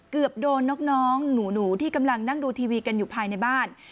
เกือบโดนน้องหนูที่กำลังนั่งดูทีวีกันอยู่ภายในบ้าน